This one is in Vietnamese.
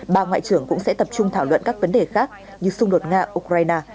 ba ngoại trưởng cũng sẽ tập trung thảo luận các vấn đề khác như xung đột nga ukraine